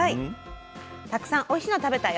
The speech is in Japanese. たくさんおいしいの食べたよ。